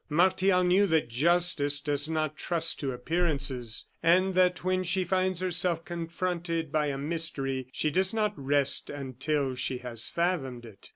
Martial knew that Justice does not trust to appearances, and that when she finds herself confronted by a mystery, she does not rest until she has fathomed it.